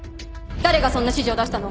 誰がそんな指示を出したの！？